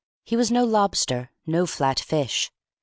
He was no lobster, no flat fish.